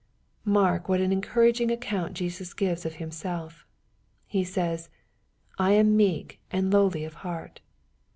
Mark what an encouraging account Jesus gives of Himself. He says, " I am meek and lowly of heart."